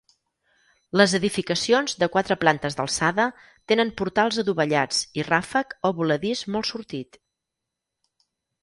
Les edificacions, de quatre plantes d'alçada, tenen portals adovellats i ràfec o voladís molt sortit.